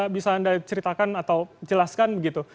bisa anda ceritakan atau jelaskan begitu